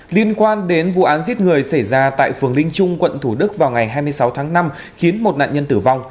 liên quan đến vụ án giết người xảy ra tại phường linh trung quận thủ đức vào ngày hai mươi sáu tháng năm khiến một nạn nhân tử vong